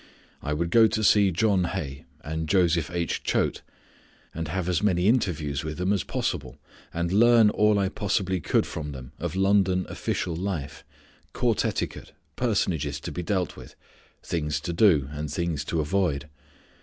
I would go to see John Hay and Joseph H. Choate, and have as many interviews with them as possible, and learn all I possibly could from them of London official life, court etiquette, personages to be dealt with, things to do, and things to avoid.